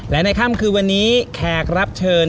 และในค่ำคืนวันนี้แขกรับเชิญ